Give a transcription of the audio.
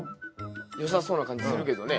よさそうな感じするけどね。